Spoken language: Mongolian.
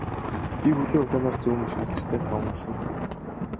Би хөлөө удаанаар зөөн шаардлагатай таван алхам хийв.